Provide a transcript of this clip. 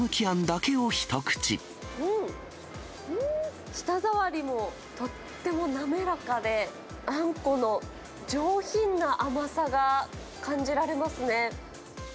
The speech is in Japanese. うん、舌触りもとっても滑らかで、あんこの上品な甘さが感じられますね。